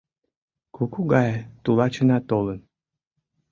Куку гае тулачына толын